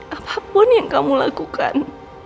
apa pun yang kamu lakukan